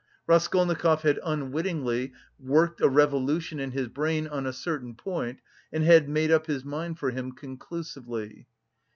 Raskolnikov had unwittingly worked a revolution in his brain on a certain point and had made up his mind for him conclusively.